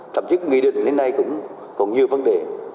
thậm chí nghị định đến nay cũng còn nhiều vấn đề